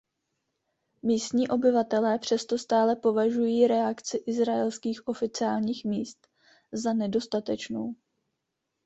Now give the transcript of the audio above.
Místní obyvatelé přesto stále považují reakci izraelských oficiálních míst za nedostatečnou.